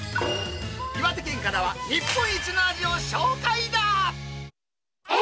岩手県からは日本一の味を紹介だ。